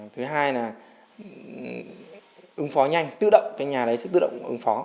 thứ hai là ứng phó nhanh tự động cái nhà đấy sẽ tự động ứng phó